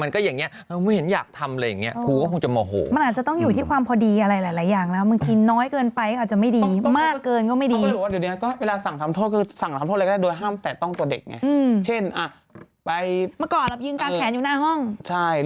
ก็มีภาพกรูร้องไห้